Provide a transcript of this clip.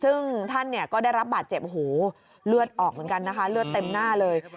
ซึ่งท่านเนี่ยก็ได้รับบาดเจ็บโอ้โหเลือดออกเหมือนกันนะคะเลือดเต็มหน้าเลย